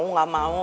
hmm enggak mau